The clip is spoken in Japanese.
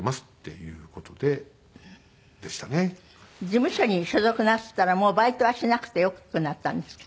事務所に所属なすったらもうバイトはしなくてよくなったんですか？